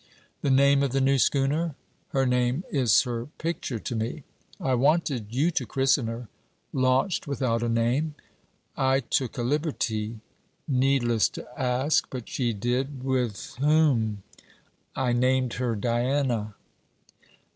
'The name of the new schooner? Her name is her picture to me.' 'I wanted you to christen her.' 'Launched without a name?' 'I took a liberty.' Needless to ask, but she did. 'With whom?' 'I named her Diana.'